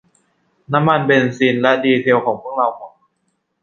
น้ำมันเบนซินและดีเซลของพวกเราหมด